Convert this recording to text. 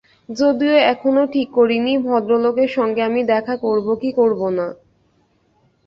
যদিও এখনো ঠিক করি নি, ভদ্রলোকের সঙ্গে আমি দেখা করব কি করব না।